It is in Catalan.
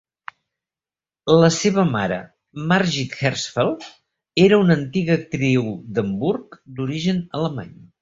La seva mare, Margit Herzfeld, era una antiga actriu d'Hamburg d'origen alemany.